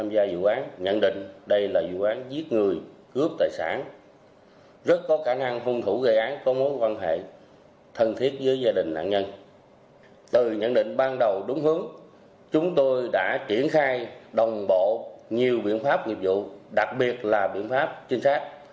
bộ nhiều biện pháp nghiệp vụ đặc biệt là biện pháp trinh sát